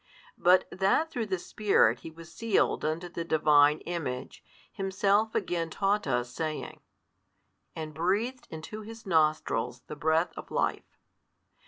But that through the Spirit he was sealed unto the Divine Image, himself again taught us, saying, And breathed into his nostrils the breath of life.